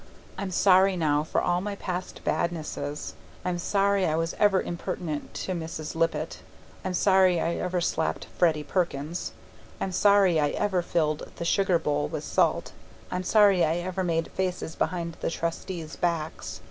I'm sorry now for all my past badnesses. I'm sorry I was ever impertinent to Mrs. Lippett. I'm sorry I ever slapped Freddie Perkins. I'm sorry I ever filled the sugar bowl with salt. I'm sorry I ever made faces behind the Trustees' backs.